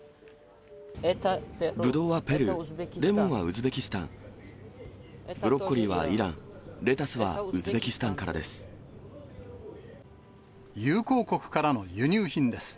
ぶどうはペルー、レモンはウズベキスタン、ブロッコリーはイラン、レタスはウズベキスタンからです。